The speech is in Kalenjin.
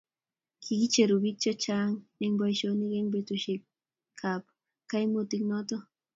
kikicheru biik che chang' eng' boisionik eng' betusiekab kaimutik noto